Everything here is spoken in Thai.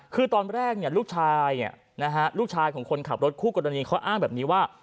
คือตอนแรกลูกชายลูกชายของคนขับรถคู่กรณีเขาอ้างแบบนี้ว่า